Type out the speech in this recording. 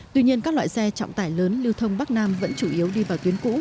tuy nhiên các loại xe trọng tải lớn lưu thông bắc nam vẫn chủ yếu đi vào tuyến cũ